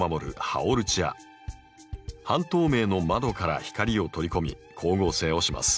半透明の窓から光を取り込み光合成をします。